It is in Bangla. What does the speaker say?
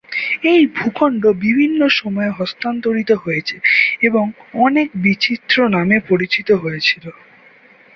এই ভূখণ্ড বিভিন্ন সময়ে হস্তান্তরিত হয়েছে এবং অনেক বিচিত্র নামে পরিচিত হয়েছিল।